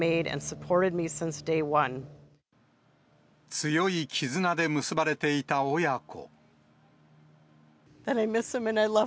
強い絆で結ばれていた親子。